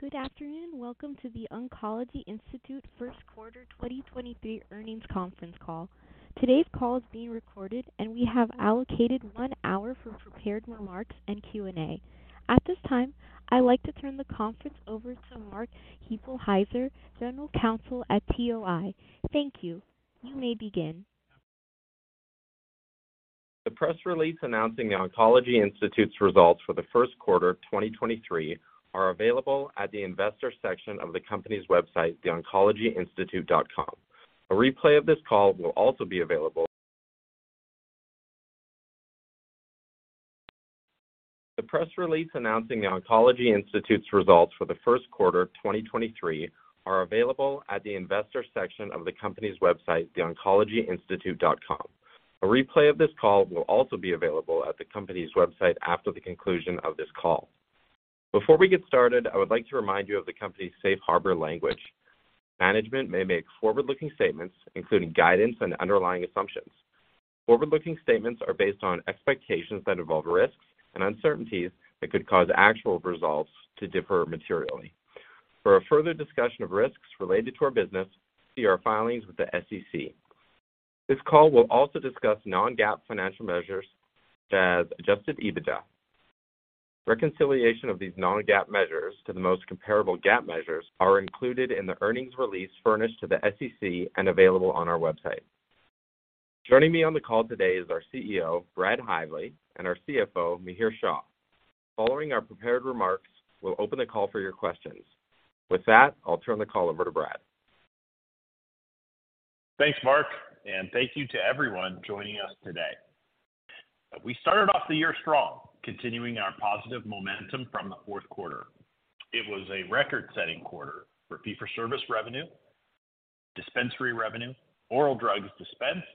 Good afternoon. Welcome to The Oncology Institute first quarter 2023 earnings conference call. At this time, I'd like to turn the conference over to Mark Hueppelsheuser, General Counsel at TOI. Thank you. You may begin. The press release announcing The Oncology Institute's results for the first quarter of 2023 are available at the investor section of the company's website, theoncologyinstitute.com. A replay of this call will also be available. The press release announcing The Oncology Institute's results for the first quarter of 2023 are available at the investor section of the company's website, theoncologyinstitute.com. A replay of this call will also be available at the company's website after the conclusion of this call. Before we get started, I would like to remind you of the company's safe harbor language. Management may make forward-looking statements, including guidance and underlying assumptions. Forward-looking statements are based on expectations that involve risks and uncertainties that could cause actual results to differ materially. For a further discussion of risks related to our business, see our filings with the SEC. This call will also discuss non-GAAP financial measures such as adjusted EBITDA. Reconciliation of these non-GAAP measures to the most comparable GAAP measures are included in the earnings release furnished to the SEC and available on our website. Joining me on the call today is our CEO, Brad Hively, and our CFO, Mihir Shah. Following our prepared remarks, we'll open the call for your questions. I'll turn the call over to Brad. Thanks, Mark. Thank you to everyone joining us today. We started off the year strong, continuing our positive momentum from the fourth quarter. It was a record-setting quarter for fee-for-service revenue, dispensary revenue, oral drugs dispensed,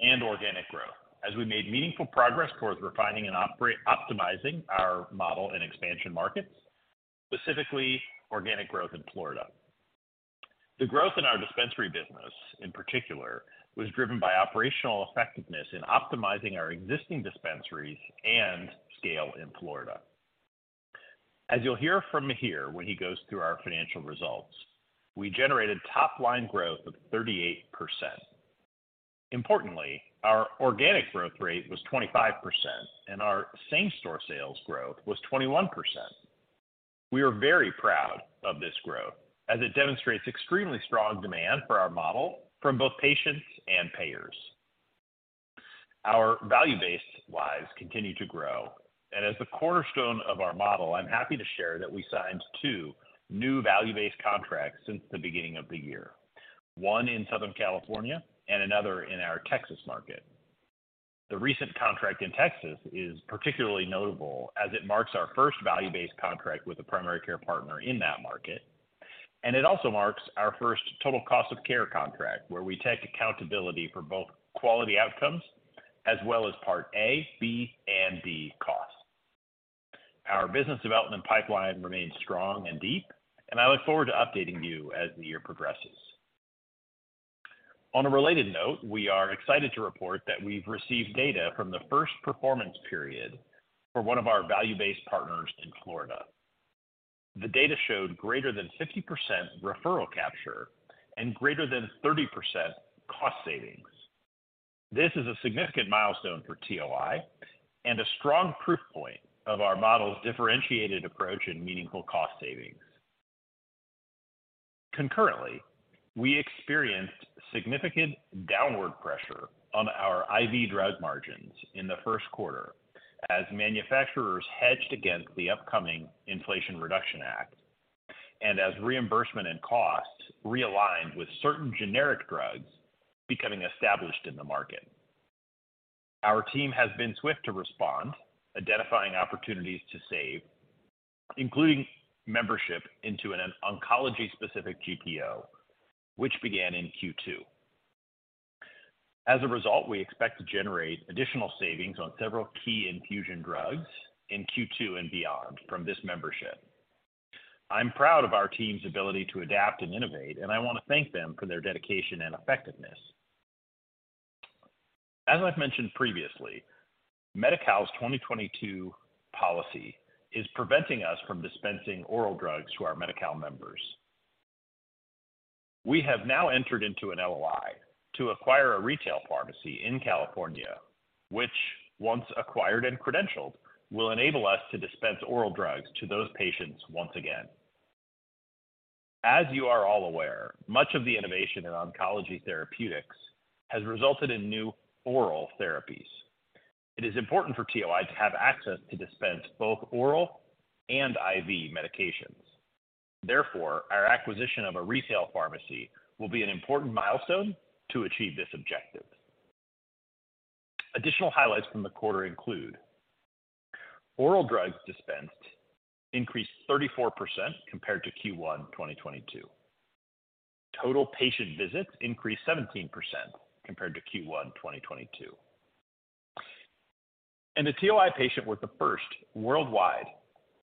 and organic growth as we made meaningful progress towards refining optimizing our model in expansion markets, specifically organic growth in Florida. The growth in our dispensary business, in particular, was driven by operational effectiveness in optimizing our existing dispensaries and scale in Florida. As you'll hear from Mihir when he goes through our financial results, we generated top-line growth of 38%. Importantly, our organic growth rate was 25%, and our same-store sales growth was 21%. We are very proud of this growth as it demonstrates extremely strong demand for our model, from both patients and payers. Our value-based lives continue to grow. As the cornerstone of our model, I'm happy to share that we signed two new value-based contracts since the beginning of the year, one in Southern California and another in our Texas market. The recent contract in Texas is particularly notable as it marks our first value-based contract with a primary care partner in that market. It also marks our first total cost of care contract, where we take accountability for both quality outcomes as well as Part A, B, and D costs. Our business development pipeline remains strong and deep, and I look forward to updating you as the year progresses. On a related note, we are excited to report that we've received data from the first performance period for one of our value-based partners in Florida. The data showed greater than 50% referral capture and greater than 30% cost savings. This is a significant milestone for TOI and a strong proof point of our model's differentiated approach and meaningful cost savings. Concurrently, we experienced significant downward pressure on our IV drug margins in the first quarter as manufacturers hedged against the upcoming Inflation Reduction Act and as reimbursement and costs realigned with certain generic drugs becoming established in the market. Our team has been swift to respond, identifying opportunities to save, including membership into an oncology-specific GPO, which began in the second quarter. As a result, we expect to generate additional savings on several key infusion drugs in the second quarter and beyond from this membership. I'm proud of our team's ability to adapt and innovate, and I want to thank them for their dedication and effectiveness. As I've mentioned previously, Medi-Cal's 2022 policy is preventing us from dispensing oral drugs to our Medi-Cal members. We have now entered into an LOI to acquire a retail pharmacy in California, which, once acquired and credentialed, will enable us to dispense oral drugs to those patients once again. As you are all aware, much of the innovation in oncology therapeutics has resulted in new oral therapies. It is important for TOI to have access to dispense both oral and IV medications. Our acquisition of a retail pharmacy will be an important milestone to achieve this objective. Additional highlights from the quarter include oral drugs dispensed increased 34% compared to Quarter one 2022. Total patient visits increased 17% compared to quarter one 2022. The TOI patient was the first worldwide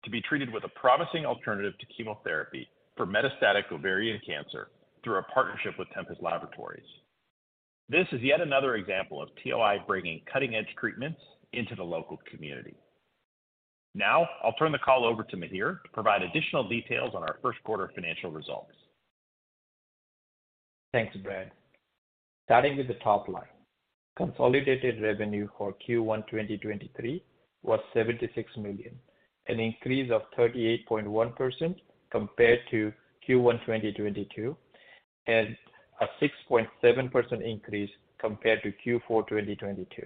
to be treated with a promising alternative to chemotherapy for metastatic ovarian cancer through a partnership with Tempus Laboratories. This is yet another example of TOI bringing cutting-edge treatments into the local community. Now I'll turn the call over to Mihir to provide additional details on our first quarter financial results. Thanks, Brad. Starting with the top line. Consolidated revenue for quarter one 2023 was $76 million, an increase of 38.1% compared to quarter one 2022 and a 6.7% increase compared to Q4 2022.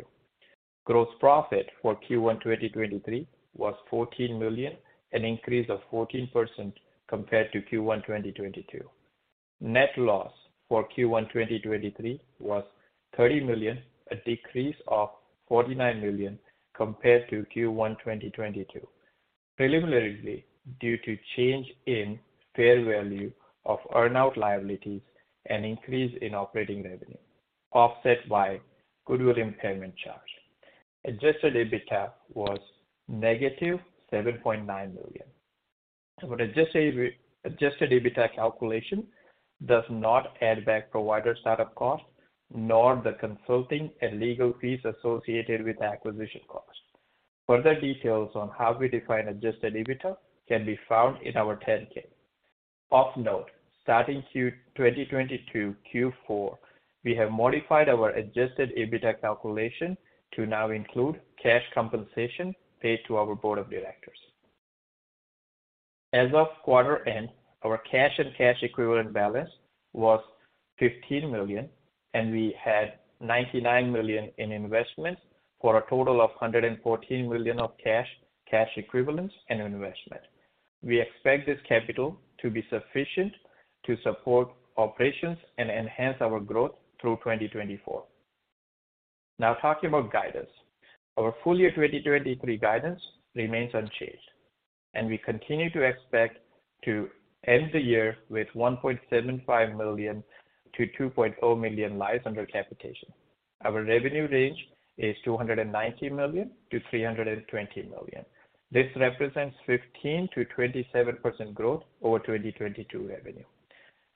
Gross profit for quarter one 2023 was $14 million, an increase of 14% compared to quarter one 2022. Net loss for quarter one 2023 was $30 million, a decrease of $49 million compared to quarter one 2022. Preliminarily due to change in fair value of earnout liabilities and increase in operating revenue, offset by goodwill impairment charge. adjusted EBITDA was negative $7.9 million. The adjusted EBITDA calculation does not add back provider start-up costs nor the consulting and legal fees associated with the acquisition cost. Further details on how we define adjusted EBITDA can be found in our 10-K. Of note, starting 2022 quarter four, we have modified our adjusted EBITDA calculation to now include cash compensation paid to our board of directors. As of quarter end, our cash and cash equivalent balance was $15 million, and we had $99 million in investments for a total of $114 million of cash equivalents and investment. We expect this capital to be sufficient to support operations and enhance our growth through 2024. Now talking about guidance. Our full year 2023 guidance remains unchanged, and we continue to expect to end the year with 1.75 million-2.0 million lives under capitation. Our revenue range is $290 million-$320 million. This represents 15%-27% growth over 2022 revenue.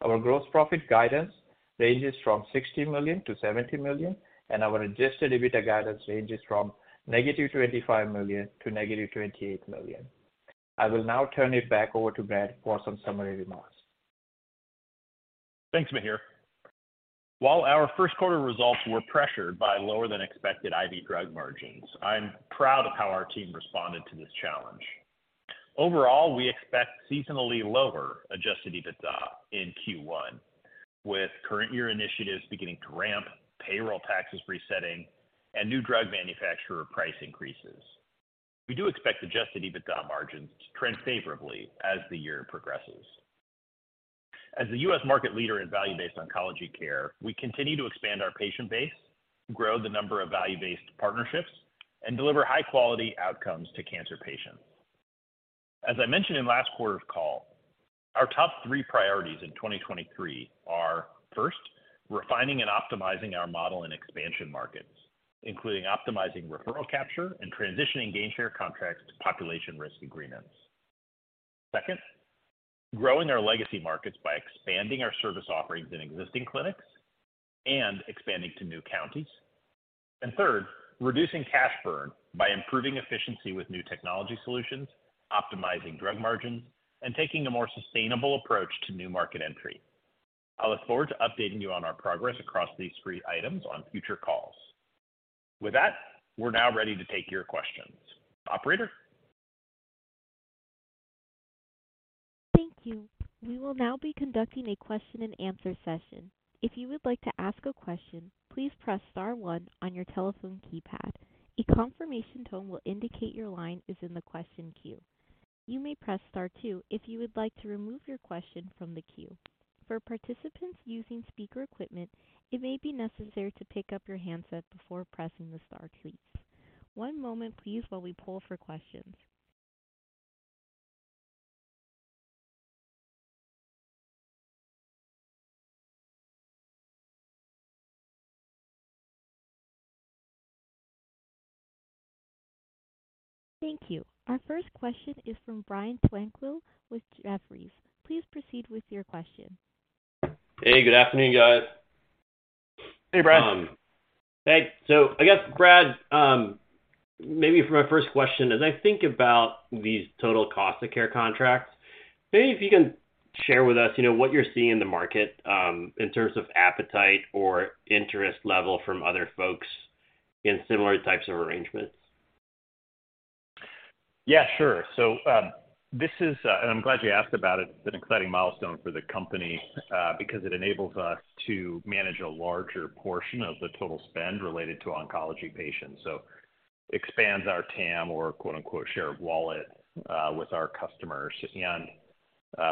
Our gross profit guidance ranges from $60 million-$70 million, our adjusted EBITDA guidance ranges from -$25 million to -$28 million. I will now turn it back over to Brad for some summary remarks. Thanks, Mihir. While our first quarter results were pressured by lower than expected IV drug margins, I'm proud of how our team responded to this challenge. Overall, we expect seasonally lower adjusted EBITDA in quarter one with current year initiatives beginning to ramp, payroll taxes resetting, and new drug manufacturer price increases. We do expect adjusted EBITDA margins to trend favorably as the year progresses. As the U.S. market leader in value-based oncology care, we continue to expand our patient base, grow the number of value-based partnerships, and deliver high quality outcomes to cancer patients. As I mentioned in last quarter's call, our top three priorities in 2023 are, first, refining and optimizing our model in expansion markets, including optimizing referral capture and transitioning gain share contracts to population risk agreements. Second, growing our legacy markets by expanding our service offerings in existing clinics and expanding to new counties. Third, reducing cash burn by improving efficiency with new technology solutions, optimizing drug margins, and taking a more sustainable approach to new market entry. I look forward to updating you on our progress across these three items on future calls. With that, we're now ready to take your questions. Operator. Thank you. We will now be conducting a question and answer session. One moment please while we poll for questions. Thank you. Our first question is from Brian Tanquilut with Jefferies. Please proceed with your question. Hey, good afternoon, guys. Hey, Brian. Hey. I guess, Brad, maybe for my first question, as I think about these total cost of care contracts, maybe if you can share with us, you know, what you're seeing in the market, in terms of appetite or interest level from other folks in similar types of arrangements? I'm glad you asked about it. It's an exciting milestone for the company, because it enables us to manage a larger portion of the total spend related to oncology patients. Expands our TAM or quote-unquote 'shared wallet' with our customers.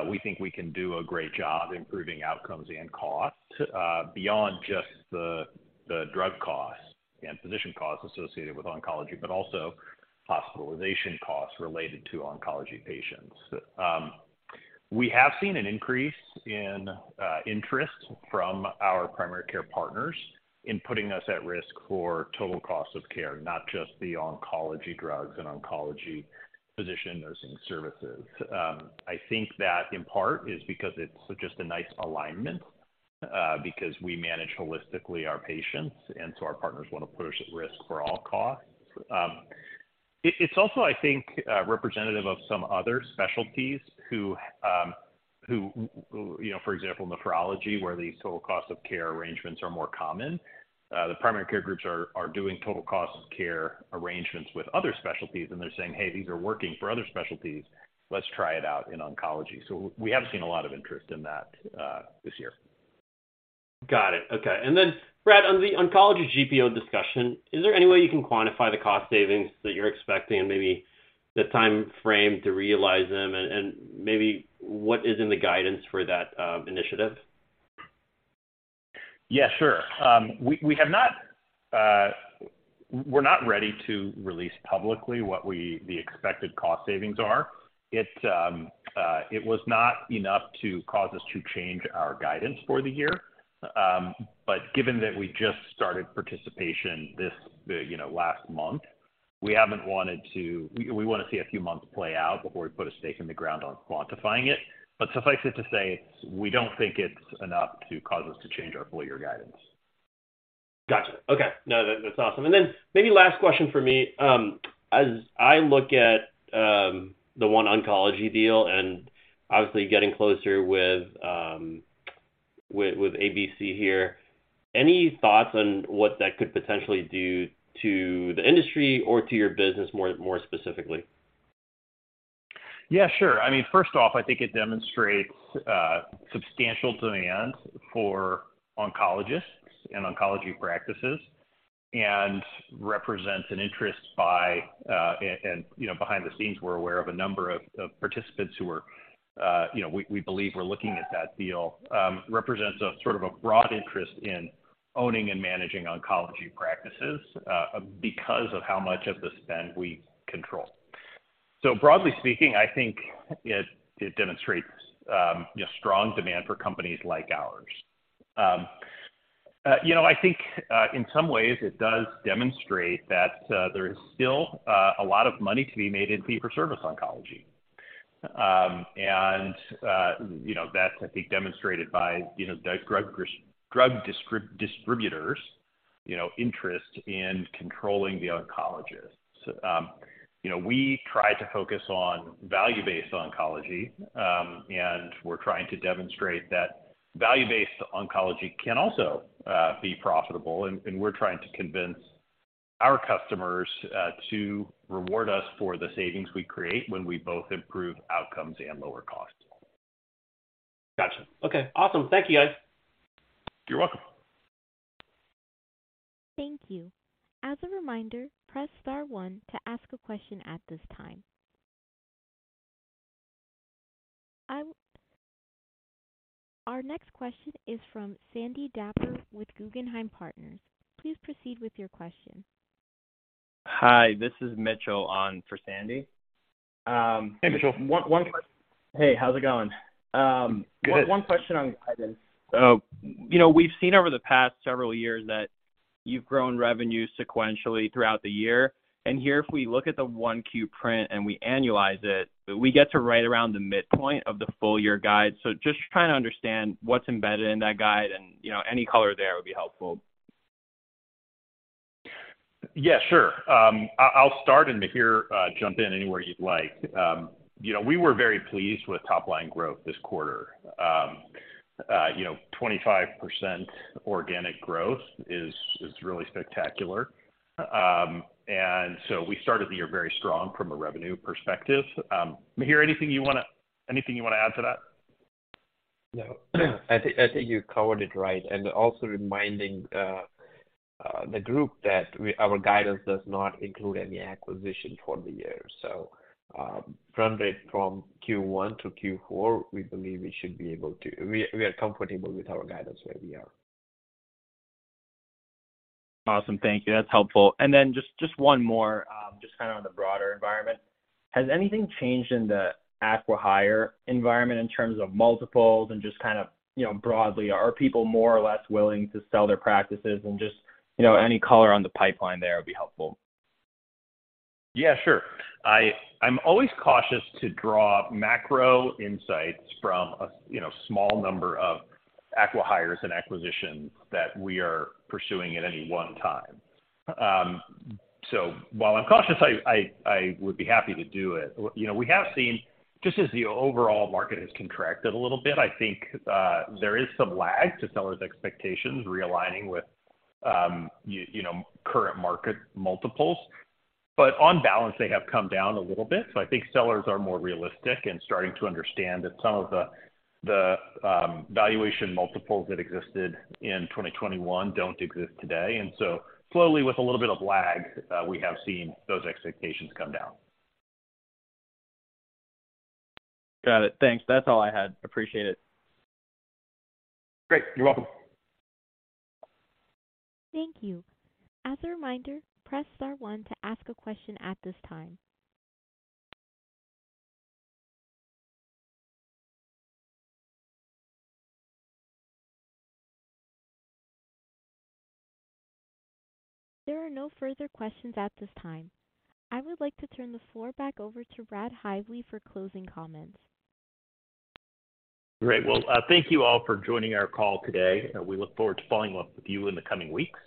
We think we can do a great job improving outcomes and costs beyond just the drug costs, and physician costs associated with oncology, but also hospitalization costs related to oncology patients. We have seen an increase in interest from our primary care partners in putting us at risk for total cost of care, not just the oncology drugs and oncology physician nursing services. I think that in part, is because it's just a nice alignment, because we manage holistically our patients. Our partners want to put us at risk for all costs. It's also, I think, representative of some other specialties who, you know, for example, nephrology, where the total cost of care arrangements are more common. The primary care groups are doing total cost of care arrangements with other specialties, and they're saying, "Hey, these are working for other specialties. Let's try it out in oncology." We have seen a lot of interest in that, this year. Got it. Okay. Brad, on the oncology GPO discussion, is there any way you can quantify the cost savings that you're expecting and maybe the timeframe to realize them and maybe what is in the guidance for that initiative? Yeah, sure. We're not ready to release publicly the expected cost savings are. It's, it was not enough to cause us to change our guidance for the year. Given that we just started participation this, you know, last month, we wanna see a few months play out before we put a stake in the ground on quantifying it. Suffice it to say, we don't think it's enough to cause us to change our full year guidance. Gotcha. Okay. No, that's awesome. Maybe last question for me. As I look at the OneOncology deal and obviously getting closer with ABC here, any thoughts on what that could potentially do to the industry or to your business more, more specifically? Yeah, sure. I mean, first off, I think it demonstrates substantial demand for oncologists and oncology practices, and represents an interest by, and, you know, behind the scenes, we're aware of a number of participants who are, you know, we believe were looking at that deal, represents a sort of a broad interest in owning and managing oncology practices, because of how much of the spend we control. Broadly speaking, I think it demonstrates, you know, strong demand for companies like ours. You know, I think, in some ways it does demonstrate that there is still a lot of money to be made in fee-for-service oncology. You know, that's I think demonstrated by, you know, the drug distributors, you know, interest in controlling the oncologists. You know, we try to focus on value-based oncology, and we're trying to demonstrate that value-based oncology can also be profitable. We're trying to convince our customers to reward us for the savings we create when we both improve outcomes and lower costs. Gotcha. Okay. Awesome. Thank you, guys. You're welcome. Thank you. Our next question is from Sandy Draper with Guggenheim Securities. Please proceed with your question. Hi, this is Mitchell on for Sandy. Hey, Mitchell. One, one Hey, how's it going? Good. One question on guidance. You know, we've seen over the past several years that you've grown revenue sequentially throughout the year. Here, if we look at the 1Q print and we annualize it, we get to right around the midpoint of the full year guide. Just trying to understand what's embedded in that guide and, you know, any color there would be helpful. Yeah, sure. I'll start, and Mihir, jump in anywhere you'd like. You know, we were very pleased with top-line growth this quarter. You know, 25% organic growth is really spectacular. We started the year very strong from a revenue perspective. Mihir, anything you wanna add to that? No. I think you covered it right. Also reminding the group that our guidance does not include any acquisition for the year. From quarter one to quarter4, we believe we should be able to... We are comfortable with our guidance where we are. Awesome. Thank you. That's helpful. Just, just one more, just kinda on the broader environment. Has anything changed in the acqui-hire environment in terms of multiples and just kind of, you know, broadly, are people more or less willing to sell their practices? Just, you know, any color on the pipeline there would be helpful. Yeah, sure. I'm always cautious to draw macro insights from a you know, small number of acqui-hires and acquisitions that we are pursuing at any one time. While I'm cautious, I would be happy to do it. You know, we have seen, just as the overall market has contracted a little bit, I think, there is some lag to sellers' expectations realigning with you know, current market multiples. On balance, they have come down a little bit. I think sellers are more realistic and starting to understand that some of the valuation multiples that existed in 2021 don't exist today. Slowly, with a little bit of lag, we have seen those expectations come down. Got it. Thanks. That's all I had. Appreciate it. Great. You're welcome. Thank you. I would like to turn the floor back over to Brad Hively for closing comments. Great. Well, thank you all for joining our call today. We look forward to following up with you in the coming weeks.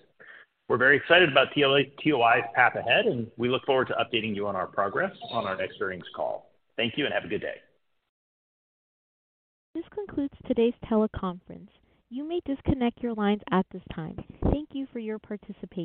We're very excited about TOI's path ahead, and we look forward to updating you on our progress on our next earnings call. Thank you and have a good day. This concludes today's teleconference. You may disconnect your lines at this time. Thank you for your participation.